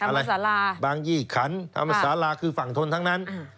อะไรสาราบางยี่ขันธรรมสาราคือฝั่งทนทั้งนั้น